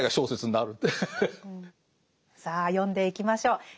さあ読んでいきましょう。